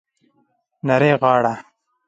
نرۍ غاړه